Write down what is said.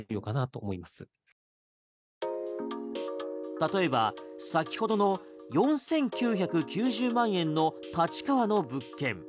例えば先ほどの４９９０万円の立川の物件。